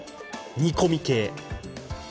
煮込み系。